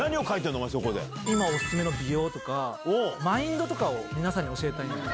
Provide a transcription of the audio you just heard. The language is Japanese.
お前、今、お勧めの美容とか、マインドとかを皆さんに教えたいなと。